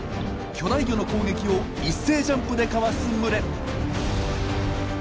巨大魚の攻撃を一斉ジャンプでかわす群れ！